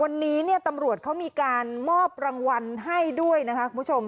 วันนี้เนี่ยตำรวจเขามีการมอบรางวัลให้ด้วยนะคะคุณผู้ชม